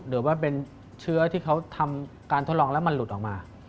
หรือว่าเป็นเชื้อที่เขาทำการทดลองแล้วมันหลุดออกมา